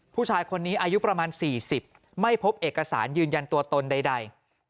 ผู้ชายคนนี้อายุประมาณ๔๐ไม่พบเอกสารยืนยันตัวตนใด